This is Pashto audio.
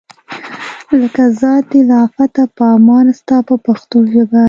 لکه ذات دی له آفته په امان ستا په پښتو ژبه.